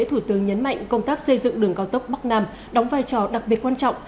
thủ tướng nhấn mạnh công tác xây dựng đường cao tốc bắc nam đóng vai trò đặc biệt quan trọng